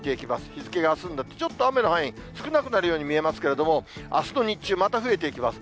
日付があすになって、ちょっと雨の範囲、少なくなるように見えますけれども、あすの日中、また増えていきます。